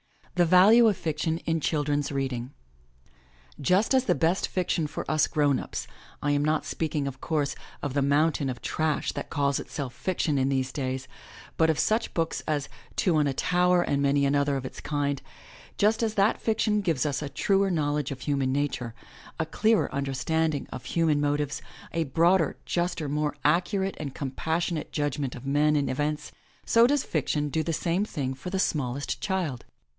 THE VALUE OF FICTION IN CHILDREN'S READING <^^^A^ CTTUST as the best fiction for us grownups — I am /rWj^ / not speaking of course, of the mountain of trash ^^4^n/^ / that calls itself fiction in these days, but of such V I^^WV books as Two on a Tower and many another of /^^^^^ its kind — just as that fiction gives us a truer J{0^2^ knowledge of human nature, a clearer under ^^""^ standing of himian motives, a broader, juster, more accurate and compassionate judgment of men and events, so does fiction do the same thing for the smallest child.